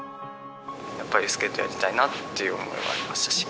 やっぱりスケートやりたいなっていう思いはありましたし。